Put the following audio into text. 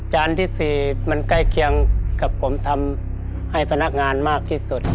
ที่๔มันใกล้เคียงกับผมทำให้พนักงานมากที่สุด